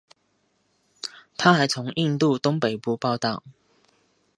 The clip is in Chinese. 他还从印度东北部报道。